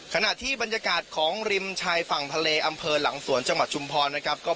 ขณะที่บรรยากาศของริมชายฝั่งทะเลอำเภอหลังศวนจมัดชุมพล